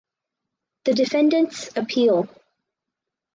The defendants appeal.